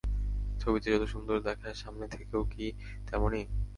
ছবিতে যত সুন্দর দেখায় সামনে থেকেও কি তেমনি?